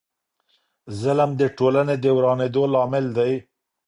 ظلم د ټولني د ورانیدو لامل دی.